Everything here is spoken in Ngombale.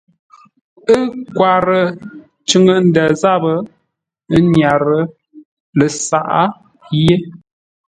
Ə́ nkwarə́ cʉŋə ndə̂ záp, ə́ nyárə́ ləsaʼá yé.